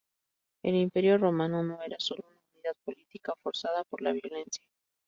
El Imperio romano no era sólo una unidad política forzada por la violencia.